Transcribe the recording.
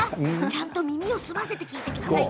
ちゃんと耳を澄ませてください。